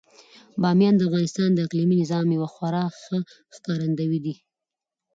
بامیان د افغانستان د اقلیمي نظام یو خورا ښه ښکارندوی دی.